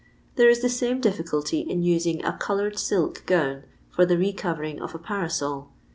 There ia the aame difficulty in neing a coloured silk gown for the re<co¥ering of a parasol.